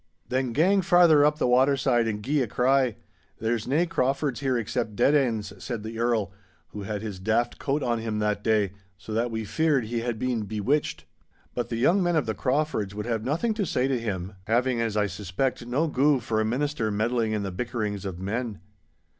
'Then gang farther up the waterside and gie a cry. There's nae Craufords here except dead anes!' said the Earl, who had his daft coat on him that day, so that we feared he had been bewitched. But the young men of the Craufords would have nothing to say to him, having, as I suspect, no goo for a Minister meddling in the bickerings of men.